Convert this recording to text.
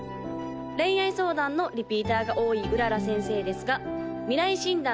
恋愛相談のリピーターが多い麗先生ですが未来診断